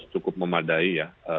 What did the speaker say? cukup memadai ya